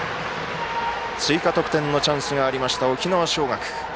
追加得点のチャンスがありました沖縄尚学。